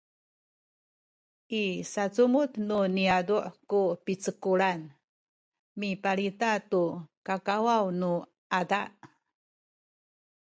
i sacumudan nu niyazu’ ku picekulan mipalita tu kakawaw nu ada